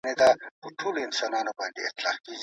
تاسي تل د خپلي روغتیا خیال ساتئ.